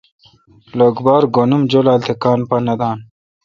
لوک بار گھن ام جولال تہ کان پا نہ دان۔